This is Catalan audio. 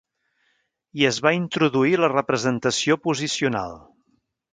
I es va introduir la representació posicional.